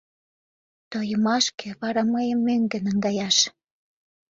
Тойымашке, вара мыйым мӧҥгӧ наҥгаяш.